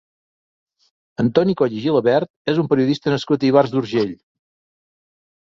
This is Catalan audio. Antoni Coll i Gilabert és un periodista nascut a Ivars d'Urgell.